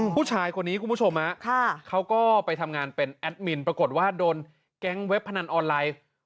ผู้ชายคนนี้คุณผู้ชมเขาก็ไปทำงานเป็นแอดมินปรากฏว่าโดนแก๊งเว็บพนันออนไลน์